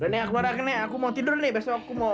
nek aku marah nek aku mau tidur nek